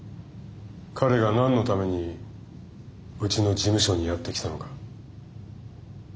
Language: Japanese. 彼が何のためにうちの事務所にやって来たのか。